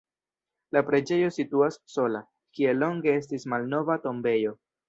La preĝejo situas sola, kie longe estis malnova tombejo.